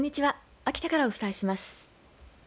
秋田からお伝えします。